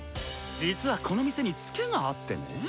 実はこの店にツケがあってネ。